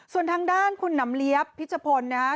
ส่วนทางด้านคุณหนำเลี้ยบพิชพลนะฮะ